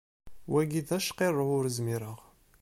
Wagi d acqirrew ur zmireɣ.